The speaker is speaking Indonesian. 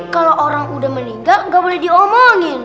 kalau orang udah meninggal nggak boleh diomongin